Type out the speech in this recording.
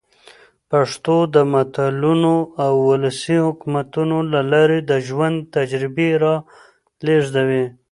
پښتو د متلونو او ولسي حکمتونو له لاري د ژوند تجربې را لېږدوي.